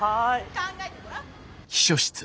考えてごらん。